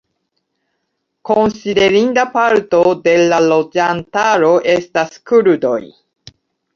Konsiderinda parto de la loĝantaro estas kurdoj.